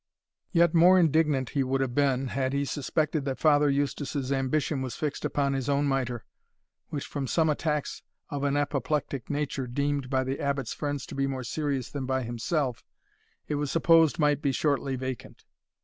Yet more indignant he would have been, had he suspected that Father Eustace's ambition was fixed upon his own mitre, which, from some attacks of an apoplectic nature, deemed by the Abbot's friends to be more serious than by himself, it was supposed might be shortly vacant.